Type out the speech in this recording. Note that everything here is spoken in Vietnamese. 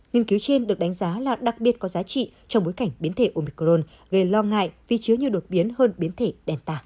nghiên cứu trên được đánh giá là đặc biệt có giá trị trong bối cảnh biến thể omicron gây lo ngại vì chứa nhiều đột biến hơn biến thể đèn tả